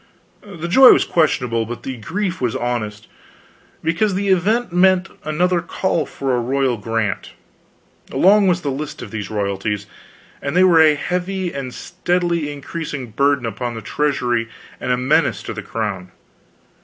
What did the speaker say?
The joy was questionable, but the grief was honest. Because the event meant another call for a Royal Grant. Long was the list of these royalties, and they were a heavy and steadily increasing burden upon the treasury and a menace to the crown.